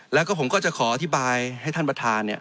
แล้วก็ผมก็จะขออธิบายให้ท่านประธานเนี่ย